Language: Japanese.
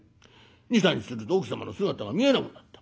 ２３日すると奥様の姿が見えなくなった。